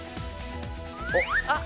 あっ！